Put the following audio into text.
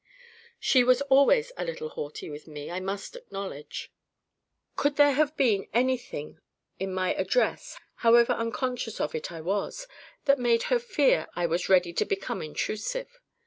—She was always a little haughty with me, I must acknowledge. Could there have been anything in my address, however unconscious of it I was, that made her fear I was ready to become intrusive?